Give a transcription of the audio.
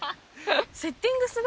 セッティングする？